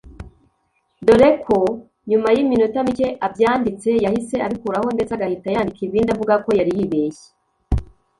dore ko nyuma y’iminota micye abyanditse yahise abikuraho ndetse agahita yandika ibindi avuga ko yari yibeshye